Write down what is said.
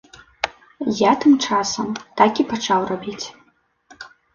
Я, тым часам, так і пачаў рабіць.